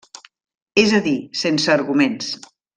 És a dir, sense arguments.